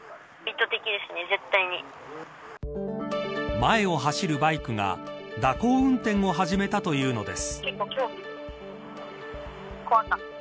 前を走るバイクが蛇行運転を始めたというのです。